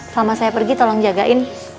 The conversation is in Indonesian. selama saya pergi tolong jagain